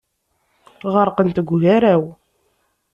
Ɣerqent deg ugaraw.